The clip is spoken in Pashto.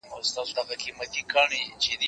زه هره ورځ ليکلي پاڼي ترتيب کوم!.